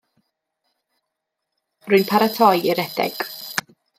Rwy'n paratoi i redeg.